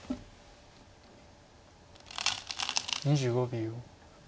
２５秒。